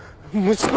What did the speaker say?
息子！